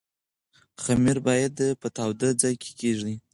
خمیر باید په تاوده ځای کې کېږدئ.